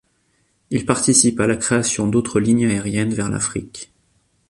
Il participe à la création d’autres lignes aériennes vers l’Afrique.